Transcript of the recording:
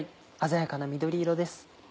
鮮やかな緑色です。